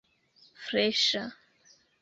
freŝa